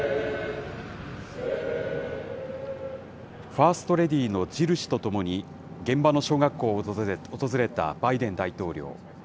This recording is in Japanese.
ファーストレディーのジル氏と共に、現場の小学校を訪れたバイデン大統領。